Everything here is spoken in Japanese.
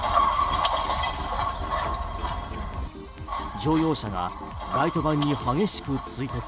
乗用車がライトバンに激しく追突。